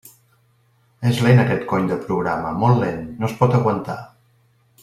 És lent aquest cony de programa, molt lent, no es pot aguantar!